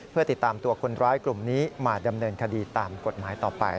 เพื่อติดตามตัวคนร้ายกลุ่มนี้มาดำเนินคดีตามกฎหมายต่อไป